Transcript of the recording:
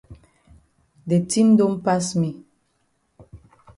De tin don pass me.